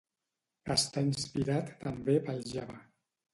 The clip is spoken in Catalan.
Està inspirat també pel Java.